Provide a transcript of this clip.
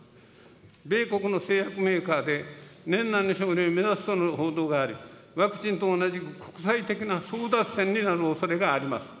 米国の製薬メーカーで、年内の承認を目指すとの報道があり、ワクチンと同じく、国際的な争奪戦になるおそれがあります。